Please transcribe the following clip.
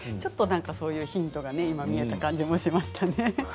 そういうヒントが見えた感じもします。